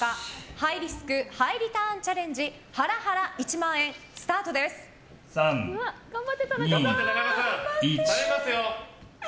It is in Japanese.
ハイリスクハイリターンチャレンジ、ハラハラ１万円頑張って、田中さん！